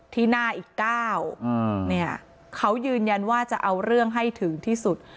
ที่หน้าอีก๙เนี่ยเขายืนยันว่าจะเอาเรื่องให้ถึงที่สุด